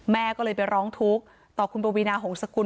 แม่ก็เลยไปร้องทุกข์ต่อคุณปวีนาหงษกุล